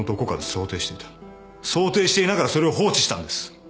想定していながらそれを放置したんです！